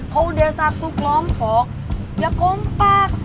kalau udah satu kelompok ya kompak